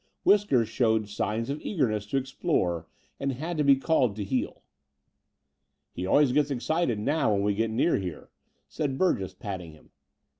Whiskers showed signs of eagerness to explore, and had to be called to heel. He always gets excited now when we get near here," said Burgess, patting him.